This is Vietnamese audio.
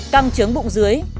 căng trứng bụng dưới